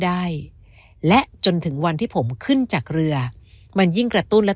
ได้และจนถึงวันที่ผมขึ้นจากเรือมันยิ่งกระตุ้นและ